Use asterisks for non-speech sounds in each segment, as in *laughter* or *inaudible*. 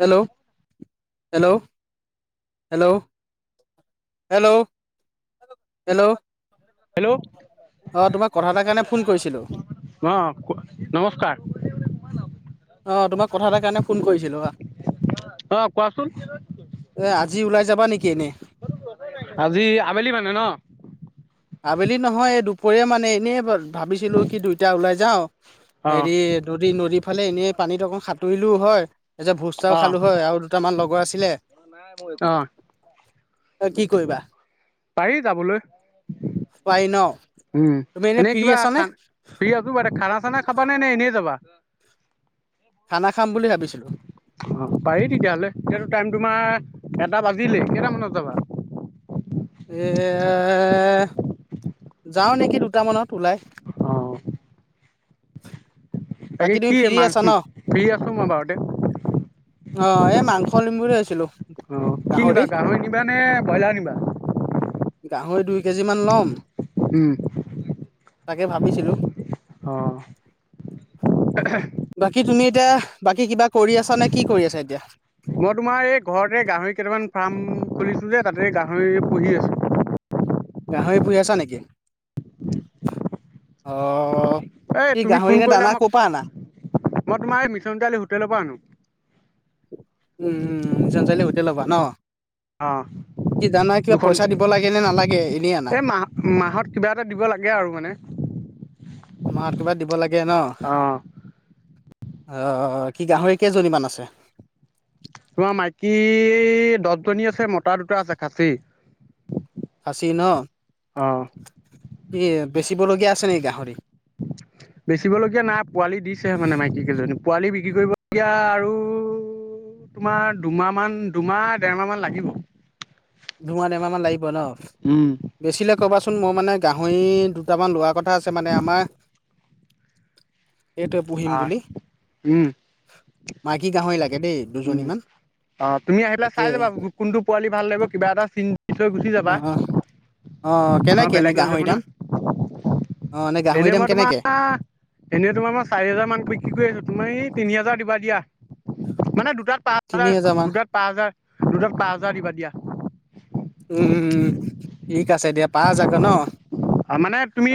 Hello hello, hello hello hello. Hello কাৰণে phone কৰিছিলোঁ অ', নমস্কাৰ। অ, তোমাক কথা এাৰ কাৰণে ফোন কৰিছিলোঁ হা। অ কোৱাচোন এ আজি ওলাই যাবা নেকি এনে? যি আবেলি মানে ন। আবেলি নহয় এই দুপৰীয়া মানে এনেই ভাবিছিলো কি দুইটা ওলাই যাওঁ। অ হেৰি নদী-নদী ফালে এনে পানীত অকণ সাঁতুৰিলোও হয় ভোজ তাও খালো হয় আৰু দুটামান লগ *unintelligible* আছিলে। নাই *unintelligible* অ, ত' কি কৰিবা? পাৰি যাবলৈ। পাৰি ন'। উম, তুমি এনে এনেই ফ্ৰী কিবা আছানে খান শুই আছোঁ *unintelligible* খানা চানা খাবা নে, নে এনেই যাবা? খানা খাম বুলি ভাবিছিলোঁ অ', পাৰি তেতিয়াহ'লে তেতিয়াতো টাইম তোমাৰ, এটা বাজিলে কেইটামানত যাবা? এ, যাম নেকি দুটামানত। উলাই। অ বাকী তুমি কি ফ্ৰী মাংস আছা ন' অ, ফ্ৰী আছো মই বাৰুতে এই মাং খলিমুৰে আছিলোঁ। অ', কি নিবা গাহৰি নিবা নে ব্ৰইলাৰ নিবা? গাহৰি দুই কেজিমান ল'ম। উম। তাকেই ভাবিছিলোঁ অ', বাকী তুমি এতিয়া, বাকী কিবা কৰি আছা নে কি কৰি আছা এতিয়া? মই তোমাৰ এই ঘৰতে গাহৰি কেইটামান ফাৰ্ম, খুলিছোঁ যে তাতে গাহৰি পুহি আছোঁ। গাহৰি পুহি আছা নেকি? অ' এই কি তুমি ফোন গাহৰিলে কৰিলা দানা মই ক' পৰা আনা? মই তোমাৰ এই মিছন চাৰিআলিৰ হোটেলৰ পৰা আনো। উম উম চ চাৰিলি হোটেল ল'বা ন অ' কি দানা কিবা দুখন পইচা দিব লাগে নে নালাগে এনেই আনা এ মাহ-মাহত কিবা এটা দিব লাগে আৰু মানে। মাহত কিবা দিব লাগে ন'? অ' অ', কি গাহৰি কেইজনীমান আছে? তোমাৰ মাইকী দশজনী আছে মতা দুটা আছে, খাচী। খাচি ন অ' ই বেচিবলগীয়া আছে নেকি গাহৰি বেচিব লগগীয়া নাই পোৱালি দিছেহে মানে মাইকী কেইজনী পোৱালি বিক্ৰী কৰিবলগীয়া আৰু তোমাৰ দুমাহ মান দুমাহ দেৰমাহ মান লাগিব ধোমাহমাহ মান লাগিব ন উম বেচিলে কবাচোন মই মানে গাহৰি মই দুটামান লোৱা কথা আছে মানে আমাৰ সেইটোৱে পুহিম আহ বুলি উম মাইকী গাহৰি লাগে দেই উম দুজনীমান অ তুমি আহি পেলাই তাকে চাই যাবা কোনটো পোৱালি ভাল লাগিব কিবা এটা চিন পিছৈ গুচি যাবা অ অ অ কেনেকে এনে বেলেগ লৈ যাব গাহৰি না দাম অ গাহৰি এনে দাম মই তোমাৰ কেনেকে এনে তোমাৰ মই চাৰি হাজাৰ মান বিক্ৰী কৰি আছো তোমাৰ ই তিনি হাজাৰ দিবা দিয়া মানে দুটা পাঁচ তিনি হাজাৰ মান দুটাত পচ হাজাৰ দুটাত পাঁ হাজাৰ দিবা দিয়া উম ঠিক আছে দিয়া পা যাক মানে তুমি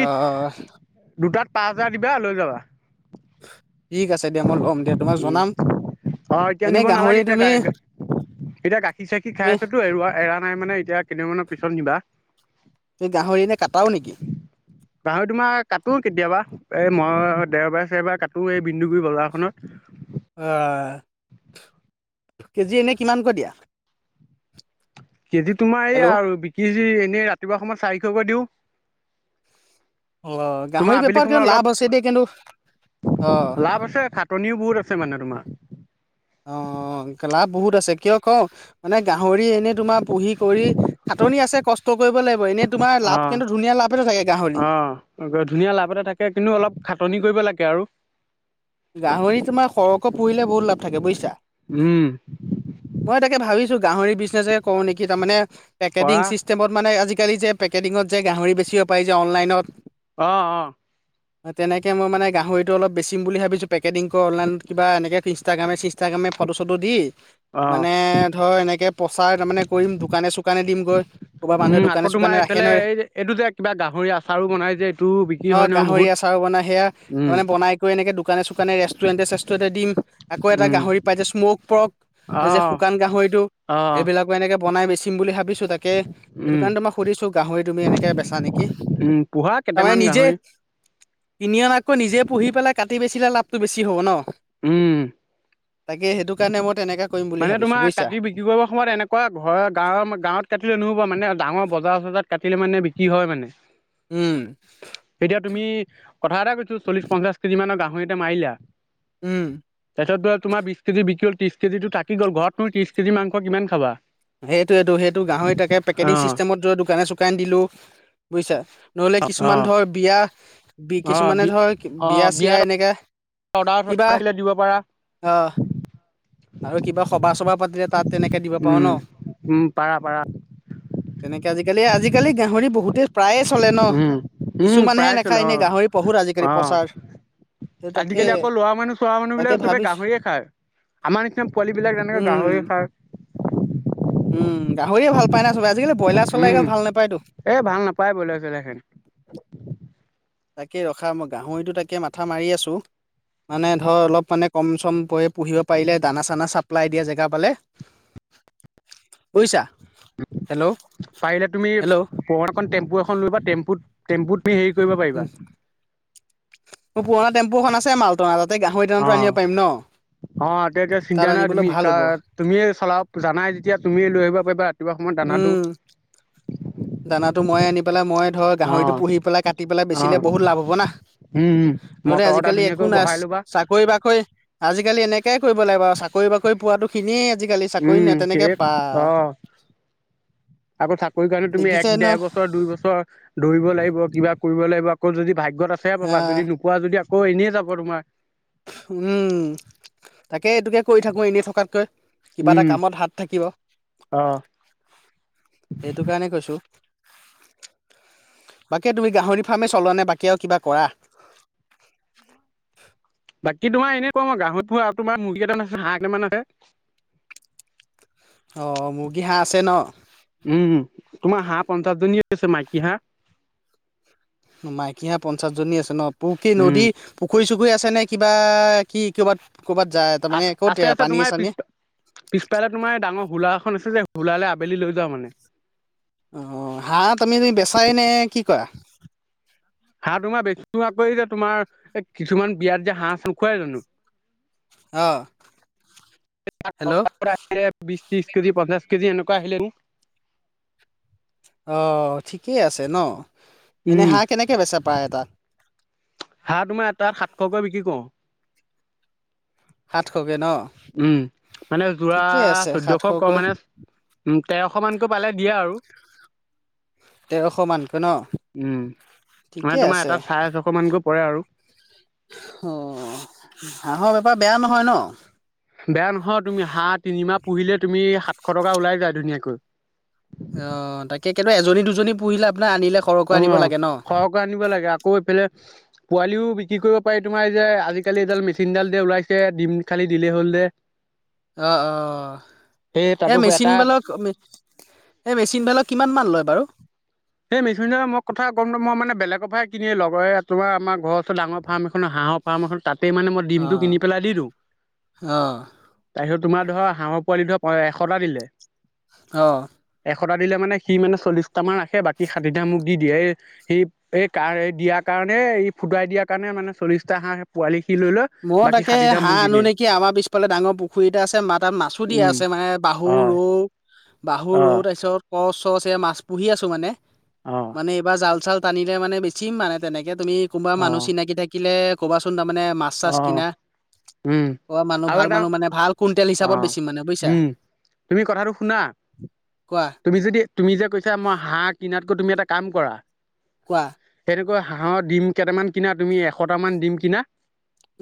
দুটাত পাঁচ হাজাৰ দিবা লৈ যাবা ঠিক আছ দিয়া মই ল'ম দিয়া তোমাক উম জনাম অ এতিয়া এনে নিব গাহৰি নালাগে তুমি এতিয়া এতিয়া গাখীৰ চাখিৰ খাই আছেতো এৰোৱা এৰা নাই মানে এতিয়া কেইদিনমানৰ পিছত নিবা তুমি গাহৰি এনে কাটাও নেকি গাহৰি তোমাৰ কটো কেতিয়াবা এই মই দেওবাৰে চেওবাৰ কাটো এই বিন্দুগুৰি বজাৰখনত অ' কেজি এনে কিমানকৈ দিয়া? কেজি তোমাৰ এই হেল্ল' আৰু বিকি এনেই ৰাতিপুৱা সময়ত চাৰিশকৈ দিওঁ অ তোমাৰ গাহৰি আবেলি বেপাৰত সময়ত কিন্তু অলপ লাভ আছে দেই কিন্তু অ লাভ আছে খাটনিও বহুত আছে মানে তোমাৰ। অ' অ' অ লাভ বহুত আছে কিয় কওঁ মানে গাহৰি এনেই তোমাৰ পুহি কৰি খাটনি আছে কষ্ কৰিব লাগিব। এনেই তোমাৰ লাভ অ' কিন্তু ধুনীয়া লাভ এটা থাকে গাহৰি অ' ধুনীয়া লাভতে থাকে কিন্তু অলপ খাটনি কৰিব লাগে সেয়াৰো গাহৰি তোমাৰ সৰহকৈ পুহিলে বহুত লাভ থাকে বুইছা উম মই তাকে ভাবিছো গাহৰি বিজনেচ কৰো নেকি তাৰমানে। কৰা পেকেটিং ছিষ্টেমত মানে আজিকালি যে পেকেটিঙত যে গাহৰি বেচিব পাৰি যে অনলাইনত আহ অ' তেনেকে মই মানে গাহৰিটো অলপ বেছিম বুলি ভাবিো পেকেডিং কৰে অনলাইনত কা এনেৈ ইনষ্টাগ্ৰামে চিনষ্টাগ্ৰামে ফটো চটো দি অ মানে ধৰ এনেকে প্ৰচাৰ তাৰ মমানে কৰিম দোকানে চোকানে দিমগৈ ক'ৰবাৰ মানুহে উম দোকানে আকৌ চোকানে তোমাৰ ৰাখে এইফালে নহয় এই যে এইটো যে কিবা গাহৰি আচাৰো বনাই যে এইটো বিক্ৰী অ হয় নহয় গাহৰি বহুত আচাৰো বনাই সেয়া, উম মানে বনাই কৰি এনেকে দোকানে চুকানে, ৰেষ্টুৰেণ্টে-চেষ্টেৰেণ্টে দিম। আকৌ এটা উম গাহৰি পাই যে স্ম'ক পৰ্ক এই যে আহ শুকান গাহৰিতটো আহ সেইবিলাকো এনেকে বনাই বেচিম বুলি ভাবিছো তাকে সেইটো উম কাৰণে তোমাক সুধিছো গাহৰি তুমি এনেকে বেচা নেকি? উম পোহা তাৰমানে কেইটামান নিজে গাহৰি কিনি অনাতকৈ নিজে পুহি পেলাই কাটি বেচিলে লাভটো বেছি হ'ব ন উম তাকে হেইটো কাৰণে মই তেনেকা কৰিম বুলি মানে ভাবিছো তোমাৰ বুজিছা কাটতি বিক্ৰী কৰিব সময়ত এনেকুৱা ঘৰৰ গাঁৱৰ গাঁৱত কাটিলৈ নহ'ব মানে ডাঙৰ বজাৰ চজাৰ কাটিলে মানে বিক্ৰী হয় মানে। উম এতিয়া তুমি, কথা এটা কৈছো চল্লিশ-পঞ্চাশ কেজি মানৰ গাহ গাহৰি এটা মাৰিলা উম তাৰ পাছত বিছ কেজি বিক্ৰী হল ত্ৰিশ কেজি টো থাকিলে কি গ'ল ঘৰত তুম ত্ৰিশ কেজি মাংস কিমান খাবা হেইটোৱেটো, সেইটো গাহৰি তাকে পেকেটিং অ', চিষ্টেমত যদি দোকানে-চোকানে দিলো। বুজিছা? নহলে কিছুমান অ', ধৰ বিয়া অ', কিছুমানে বি ধৰ বিয়া অ', চিয় বিয়াত এনেকে অৰ্ডাৰ কিবা চৰ্ডাৰ থাকিলে দিব পাৰা আহ আৰু কিবা সভা চভা পাতিলে তাত তেনেকে দিব পাৰো উম, ন উম, পাৰা পাৰা তেনেকে আজিকালি আজিকালি গাহৰি বহুতেই প্ৰায়ে চলে ন উম, উম, কিছুমানহে প্ৰাইচ হ'ল নেখায় এনেই অ', গাহৰি পহুত আজিকালি অ', প্ৰচাৰ সেই তাকে আজিকালি আকৌ লৰা মানুহ চৰা মানুহ তাকে বিলাক চবে ভাবিছো গাহৰিয়ে খায় আমাৰ পোৱালি বিলাক যেনেকে উম গাহৰি খাই উম গাহৰিয়ে ভাল পায় না চবে আজিকালি ব্ৰইলাৰ চলাই উম, গৈ ভাল নাপায়তো এ ভাল নাপায় ব্ৰইলাৰ চইলাৰ খাই। তাকে ৰখা ম গাহৰিটো তাকে মাথা মাৰি আছোঁ মানে ধৰ অলপ মানে কম চম পৰি পুহিব পাৰিলে দানা চানা চাপ্লাই দিয়া জেগা পালে বুইছা? পাৰিলে তুমি হেল্ল' পুৰণা এখন টেম্পু এখন ল'বা, টেম্পুত-টেম্পুত উম, মোৰ পুৰণা টেম্পুখন আছে মালটনা তাতে গাহ সংয়দানটো অ', আনিব পাৰিম ন অ এ এতিয়া তাত চিন্তা নাই আনিবলৈ তুমি ভাল হ'ব তুমি চলাও জানাই যেতিয়া তুমি লৈ আহিব পাৰিবা ৰাতিপুৱা সময়ত দানাটো উম দানাটো ময় আনি পেলাই মই ধৰ অ গাহৰিতটো পুহি পেলাই, কাটি পেলাই অ বেচিলে বহুত লাভ হ'ব না। উম উম নহ'লে মটৰ এটা আজিকালি একো ধুনীয়াকৈ নাই। বহাই ল'বা চাকৰি-বাকৰি আজিকালি এনেক তে কৰিব লাগে ব আৰু চাকৰি বাকৰি পোৱাো খিনিয়ে আজিকালি চাকৰি নে উম তেনেকে সেই পা অ আকৌ চাকৰি কাৰণে তুমি দেখিছে এক ন দেৰ বছৰ দুই বছৰ ধৰিব লাগিব কিবা কৰিব লাগিব আকৌ যদি ভাগ্যত আছেহে পাবা আহ যদি নোপোৱা যদি আকৌ এনেই যাব তোমাৰ উম তাকে এইটোকে কৰি থাকো এনেই থকাতকৈ কিবা এটা উম কামত হাত থাকিব। অ সেইটো কাৰণে কৈছো বাকী তুমি গাহৰি ফাৰ্মেই চল নে বাকী আৰু কিবা কৰা *unintelligible* বাকী তোমাৰ এনেকুৱা মই গাহৰি পুৰ আৰু তোমাৰ মুৰ্গীট আছে হাঁহ কেইটামান আছে অ', মুৰ্গী, হাহ আছে ন? উম তোমাৰ হাঁহ পঞ্চাছজনী আছে মাইকী হাঁহ। মাইকী হা পঞ্চাছ জনী আছে ন পুৰুকি উম নদী প পুখুৰী-চুখুৰী আছেনে? কিবা কি ক'ৰবাত ক'ৰবাত যায় তাৰমানে ক'ত আছ-আছে, আছে, পানীয়ে তোমাৰ চানীয়ে পিছ-পিছ ফালে তোমাৰ ডাঙৰ হোলা এখন আছে যে ওলালে আবেলি লৈ যাোৱা মানে অ', হাঁহ তুমি *unintelligible* বেচাই নে কি কৰা? হাহ তোমাৰ বেছি কৰি যে তোমাৰ এই কিছুমান বিয়াত যে হাহ-নোখোৱাই জানো? অ', *unintelligible* বিশ ত্ৰিশ কেজি পঞ্চাশ কেজি এনে ক আহিলেৰু অ', ঠিকেই আছে ন, এনেই হাহ কেনেকে বেচা পায়তাত হাহ তোমাৰ এটা সাতশকৈ বিক্ৰী কৰো। সাতশ উম, মানে যোৰা আছে চৈধ্যয়শ সাতশকৈ ক-মানে উম, তেৰশ মানকৈ পালে দিয়া আৰু তেৰশ মানকৈ ন, উম। মানে ঠিকেই তোমাৰ আছে। এটা অ, চাৰে ছশ মানকৈ পৰে আৰু হাহৰ বেপাৰ বেয়া নহয় ন? বেয়া নহয় তুমি হা তিনিমাহ পুহিলে তুমি, সাতশ টকা ওলাই যায় ধুনীয়াকৈ। অ, তাকেই কিন্তু এজনী দুজনী পুহিলে আপোনাৰ আনিলে সৰহকৈ অ, আনিব লাগে ন সৰহকৈ আনিব লাগে আকৌ এইফালে পোৱালিও বিক্ৰী কৰিব পাৰি তোমাৰ এই যে আজিকালি এডাল মেচিনডালদে ওলাইছে দিম খালি দিলেই হ'ল দে অ-অ, এই তাতো এটা মেচিনবালক অ-মেচিনবালক কিমান মান লয় বাৰু এই মেচিনডালৰ মোক কথা গম ননাপাও মই মানে বেলেগৰ পৰাহে কিনিে লগৰে তোমাৰ আমাৰ ঘৰৰ ওচৰলৈ ডাঙৰ ফাৰম এখন আহা হাঁহৰ ফাৰ্ম এখন তাতেই মানে মই ডিমটো অঁ কিনি পেলাই দি দিওঁ অঁ তাইচত তোমাৰ ধৰ হাঁহৰ পোৱালি ধৰ এশটা দিলে অ'। এশটা দিলে মানে সি মানে চল্লিশটামান ৰাখে বাক কি ষাঠিটা মোক দি দিয়ে এই সি এই কাৰ এই দিয়াৰ কাৰণে ই ফুটুৱাই দিয়াৰ কাৰণে মানে চল্লিশটা হাঁহৰ পোৱালী মই তাকে হাঁহ আনো নেকি, আমাৰ পিছফালে ডাঙৰ পুখুৰী এটা আছে ম তাত মাছো দিয়া উম আছে মানে বাহু হয় সুৰু অ বাহু-ৰৌ, তাৰপিছত কচ চচ এ মাছ পুহি আছোঁ মানে, অ মানে এইবাৰ জাল চাল টানিলে মানে বেছিম মানে, তেনেকে তুমি কোনোবা মানুহ চিনাকি থাকিলে ক'বাচোন তাৰমানে। মাছ-চাছ অ অ কিনা উম অ', মানুহ আৰু ভাল এটা মানুহ মানে ভাল কুইণ্টেল অ হিচাপত বেছিম মানে বুজিছা। উম তুমি কথাটো শুনা, কোৱা তুমি যদি তুমি যে কৈছা মই হাঁহ কিনাত তুমি এটা কাম কৰা কোৱা তেনেকৈ হাঁহৰ ডিম কেইটামান কিনা তুমি এশটামান ডিম কিনা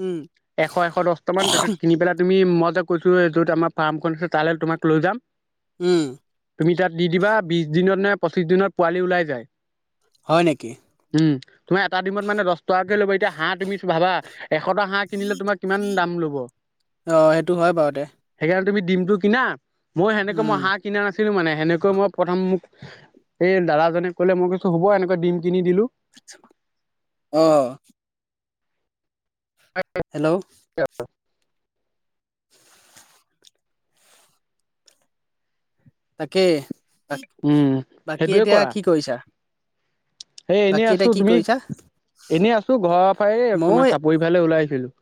উম এশ এশ দহটামান তাৰপিছত কিনি পেলাই তুমি মই তে কৈছোঁ য'ত আমাৰ ফাৰ্মখন আছে তালৈ তোমাক লৈ যাম। উম। তুমি তাত দি দিবা বিশদিনত নে পঁচিশদিনত পোৱালি ওলাই যায়। হয় নেকি? উম, তোমাৰ এটা ডিমত মানে দহ টকাকে ল'ব এতিয়া হাঁহ তুমিছ ভাবা এশটা হাঁহ কিনিলে তোমাৰ কিমান দাম ল'ব? অ সেইটো হয় বাৰু দে সেইকাৰে তুমি ডিমটো কিনা মই সেনেকে মই উম হাঁহ কিনা না ছিলো মানে, সেনেকৈ মই প্ৰথম মোক এই দাদাজনে ক'লে, মই কৈছো হ'ব এনেকৈ দিম। অ'। হেল্ল'। তাকে, উম বাকী এতিয়া কি কৰিছা? হেই এনেই বাকী এতিয়া আছোঁ, কি তুমি, কৰিছা এনেই আছো ঘৰৰ পা এই ময়ো তোমাৰ এ চাপৰি ফালে ওলাইছিলোঁ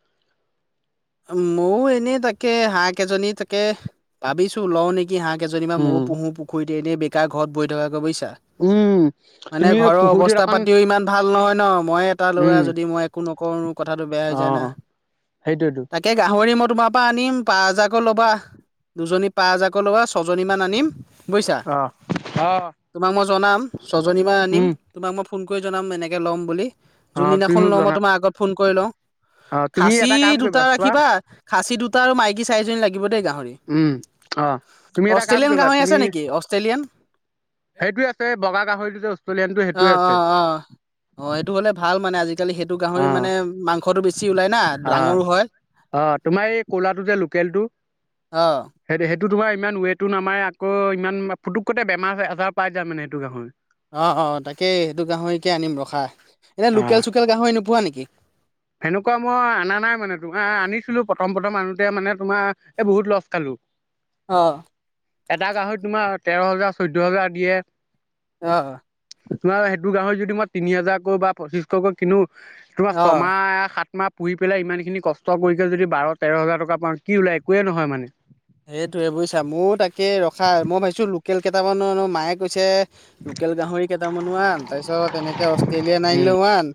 ময়ও এনেই তাকে হাঁহকেজনী, তাকে ভাবিছোঁ লওঁ নেকি কি হাঁহ এজনী মোৰো উম পুহু পুখুৰীতে এনে বেকাৰ ঘৰত বহি থাকে বোজিছে। উম মানে তুমি ঘৰৰ পুখুৰীটোত অৱস্থা অকণ পাতিও ইমান ভাল নহয় ন, মই এটা ল'ৰা উম যদি মই একো নক কো কথাটো বেয়া হৈ অ যায় না সেইটোয়েতো তাকে গাহৰি মতে তোমাৰ পৰা আনিম, পাচঁ হাজাৰকৈ ল'বা। দুজনী পাচঁ হাজাৰকৈ ল'বা, ছয়জনী মান আনিম বুজিছা অ', অ'। তোমাক মই জনাম ছজনীমান আনিম উম তোমাক মই ফোন কৰি জনাম এনেকৈ ল'ম বুলি অ তুমি যোনদিনাখন মোক লওঁ, মই জনা তোমাৰ আগত ফোন কৰি লওঁ। অ', তুমি খাচী এটা কাম দুটা কৰিবা চোৱা ৰাখিবা। খাচী দুটা আৰু মাইকী চাৰিজনী লাগিব দেই গাহৰি। উম অ তুমি এটা কাম অষ্ট্ৰেলিয়ান কৰিবা গাহৰি তুমি আছে নেকি অষ্ট্ৰেলিয়ান সেইটোয়ে আছে বগা গাহৰিটো যে অষ্ট্ৰেলিয়ানটো সেইটোয়ে অ' আছে অ' অ' অ' সেইটো মানে ভাল মানে আজিকালি সেইটো গাহৰি অ মানে মাংসটো বেছি ওলাই না অ ডাঙৰো হয়। অ তোমাৰ এই কলাটো যে লোকেলটো আহ এইটো তোমাৰ ইমান ৱেটো নামাৰে আকৌ ইমান ফুটুকতে বেমাৰ আজাৰ পাই যায় মানে সেইটো গাহৰ অ অ তাকে সেইটো গাহৰিকে আনিম ৰখা এনে আহ লোকেল চোকেল গাহৰি নোপোৱা নেকি সেনেকুৱা মই অনা নাই মানে তোমাৰ আনিছিলো প্ৰথম প্ৰথম আনোতে মানে তোমাৰ এই বহুত লছ খালো। অ এটা গাহৰি তোমাৰ তেৰ হাজাৰ চৈধ হাজাৰ দিয়ে আহ আহ ত গাহৰি যদি মই তিনি হাজাৰকৈ বা পঁচিশকৈ কিনো অ' সাত মাহ পুহি পেলাই ইমান খিনি কষ্ট কৰিকে যদি বাৰ তেৰ হাজাৰ টকা পাওঁ কি ওলাই একোৱে নহয় মানে সেইটোৱে বুজিছা ময়ো তাকে ৰখা মই ভাবিছো লোকেল কেইটামানোো মায়ে কৈছে লোকেল গাহৰি কেইটামানোমানান তাৰপিছত এনেকে অষ্ট্ৰেলিয়ান ন উম আনিলেও মান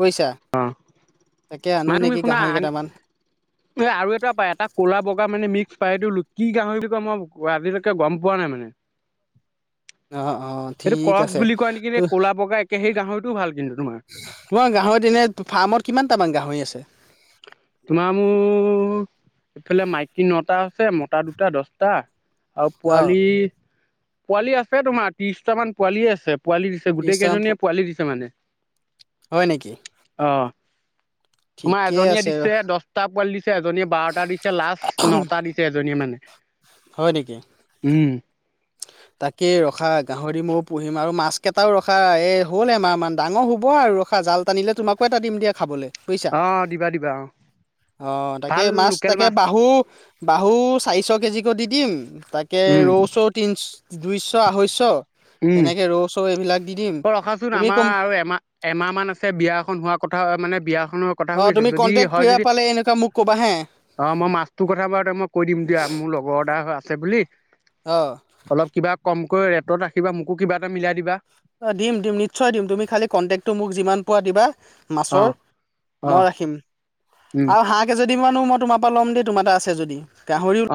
বৈছা। মা তুমি শুনা আ এ আৰু এটাা এটা ক'লা বগা মানে মিক্স পাৰটো কি গাহৰিবি ক মই আজিলৈকে গম পোৱা নাই মানে। অ অ সেইটো ঠিক ক্ৰচ আছে বুলি কয় নেকি ত নে ক'লা বগা একে সেই গাহৰিটোও ভাল কিন্তু তোমাৰ মই গাহৰিত এনে ফাৰ্মত কিমান তামান গাহৰি আছে। তোমাৰ এইফালে মাইকী নটা আছে মতা দুটা দচটা। আৰু অ', পোৱালি পোৱালি আছে তোমাৰ ত্ৰিশটামান পোৱালিয় আছে। পোৱালি দিছে গোটেই ত্ৰিশটামান কেইজনীয়ে পোৱালি দিছে মানে আহ। ঠিকেই এজনীয়ে দিছে দহটা পোৱালি দিছে এজনীয়ে বাৰটা দিছে লাষ্ট নটা দিছে এজনীয়ে মানে হয় নেকি উম তাকে ৰখা গাহৰি ময়ও পুহিম আৰু মাছ কেইটাও ৰখা এই হ'ল এমাহ মমান ডাঙৰ হুব আৰু ৰখা জাল টানিলে তোমাকো এটা দিম দিয়া খাবলৈ। বুজিছা অ দিবা দিবা অ অ তাকে ভাল মাছ লোকেল তাকে বাহু বাহু। চাৰিশ কেজিকো দি দিম তাকে উম ৰৌ চৌ তিনি দুইশ আঢ়ৈশ উম তেনেকে ৰৌ চৌ এইবিলাক দি দিম অ ৰখাচোন তুমি আমাৰ কম আৰু এমাহ এমাহ মান আছে বিয়া এখন হোৱা কথা কথা মানে বিয়াখনৰ কথা অ শুই আছো তুমি যদি কন্টেক্ট হয় কিবা যদি পালে এনেকুৱা মোক ক'বা হে অ' মই মাছটোৰ কথা বাৰু তে মই কৈ দিম দিয়া মোৰ লগৰ দ হৈ আ আছে বুলি অ অলপ কিবা কমকৈ ৰেটত ৰাখিবা মোকো কিবা এটা মিলাই দিবা অ' দিম দিম নিশ্চয় দিম তুমি খালি কণ্টেক্টটো মোক যিমান পোৱা দিবা অ মাছৰ অ মই ৰাখিম উম আৰু হাঁহ কেইজন মানো মই তোমাৰ পৰা ল' দেই তোমাৰ এটা আছে যদি গাহৰি। অ